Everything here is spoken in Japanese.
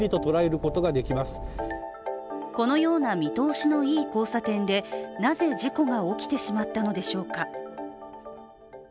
このような見通しのいい交差点でなぜ事故が起きてしまったのでしょうか。